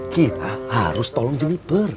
kita harus tolong jeliper